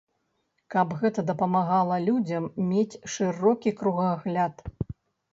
Каб гэта дапамагала людзям мець шырокі кругагляд.